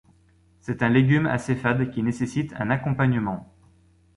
C'est un légume assez fade qui nécessite un accompagnement.